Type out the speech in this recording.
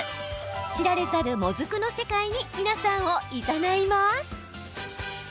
知られざる、もずくの世界に皆さんをいざないます。